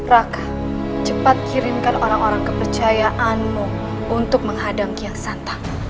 raka cepat kirimkan orang orang kepercayaanmu untuk menghadang kiang santa